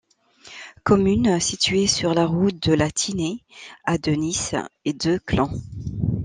Commune située sur la route de la Tinée, à de Nice et de Clans.